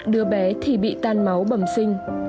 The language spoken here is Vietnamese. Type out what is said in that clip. đứa bé thì bị tan máu bầm sinh